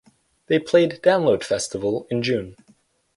They played Download Festival in June.